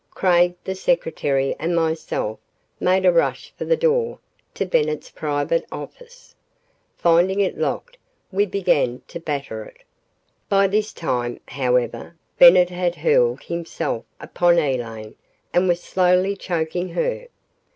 Craig, the secretary and myself made a rush for the door to Bennett's private office. Finding it locked, we began to batter it. By this time, however, Bennett had hurled himself upon Elaine and was slowly choking her.